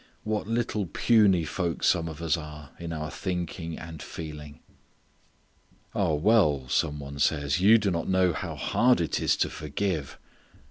What little puny folks some of us are in our thinking and feeling! "Oh, well," some one says, "you do not know how hard it is to forgive."